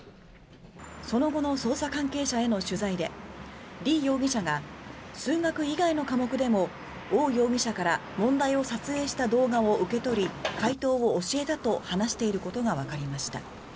その後の捜査関係者への取材でリ容疑者が数学以外の科目でもオウ容疑者から問題を撮影した動画を受け取り解答を教えたと話していることがわかりました。